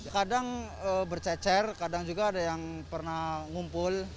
kadang bercecer kadang juga ada yang pernah ngumpul